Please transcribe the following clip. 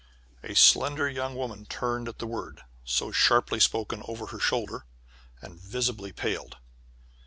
A slender young woman turned at the word, so sharply spoken over her shoulder, and visibly paled.